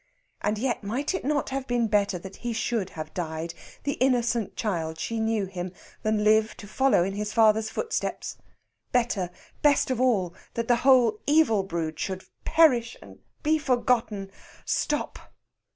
And yet, might it not have been better that he should have died, the innocent child she knew him, than live to follow his father's footsteps? Better, best of all that the whole evil brood should perish and be forgotten.... Stop!